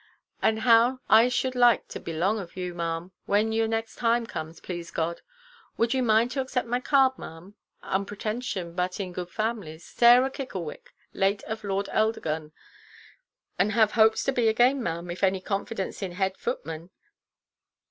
And how I should like to beʼlong of you, maʼam, when your next time come, please God. Would you mind to accept of my card, maʼam, unpretenshome but in good families,—Sarah Kicklewick, late to Lord Eldergun, and have hopes to be again, maʼam, if any confidence in head–footman.